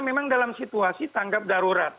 memang dalam situasi tanggap darurat